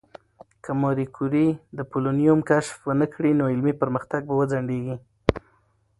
که ماري کوري د پولونیم کشف ونکړي، نو علمي پرمختګ به وځنډېږي.